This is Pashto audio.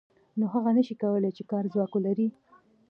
نو هغه نشي کولای چې کاري ځواک ولري